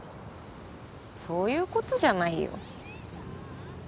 そういう事じゃないよ。